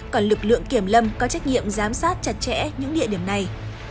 còn lực lượng kiểm lâm có trách nhiệm giám sát chặt chẽ những địa điểm này